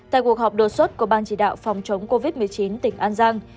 tại cuộc họp đột xuất của ban chỉ đạo phòng chống covid một mươi chín tỉnh an giang